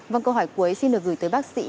vâng câu hỏi cuối xin được gửi tới bác sĩ